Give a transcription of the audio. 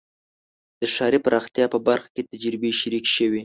د ښاري پراختیا په برخه کې تجربې شریکې شوې.